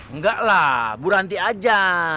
enggak lah bu ranti aja